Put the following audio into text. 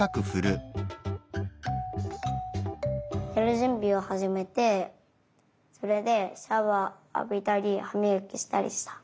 ねるじゅんびをはじめてそれでシャワーあびたりはみがきしたりした。